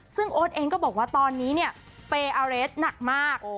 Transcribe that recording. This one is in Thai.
ซึ่งโอ๊ตเองก็บอกว่าตอนนี้เนี่ยเปย์อาเรสหนักมาก